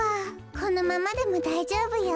このままでもだいじょうぶよ。